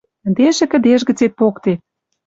Ӹндежӹ кӹдеж гӹцет поктет.